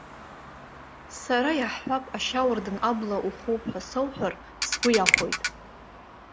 Сара, иаҳҳәап, ашьауардын абла ухоуп ҳәа соуҳәар, сгәы иахәоит.